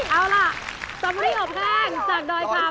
เอ้าล่ะสัมเวลีโหซแฟนจากดอยคำ